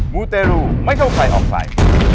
มูเตฤทรมากข้างใคน้องฃลาย